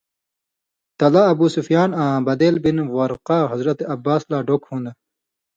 تلہ ابُو سفیان آں بدیل بن ورقا حضرت عباسؓ لا ڈوک ہُون٘دہۡ